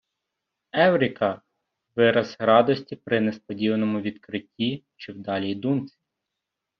Евріка - вираз радості при несподіваному відкритті чи вдалій думці